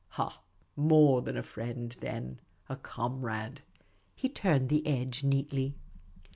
" Ha ! more than a friend, then. A comrade." He turned the edge neatly.